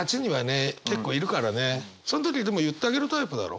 その時でも言ってあげるタイプだろ？